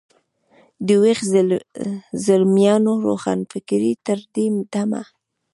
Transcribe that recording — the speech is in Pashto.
د ویښ زلمیانو روښانفکرۍ تر دې دمه.